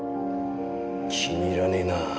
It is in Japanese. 気に入らねえな。